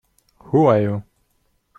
Who are you?